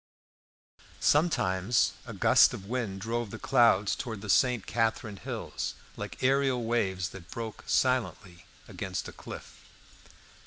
Sometimes a gust of wind drove the clouds towards the Saint Catherine hills, like aerial waves that broke silently against a cliff.